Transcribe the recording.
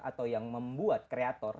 atau yang membuat kreator